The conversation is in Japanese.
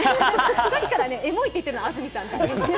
さっきから「エモい」って言ってるの安住さんだけ。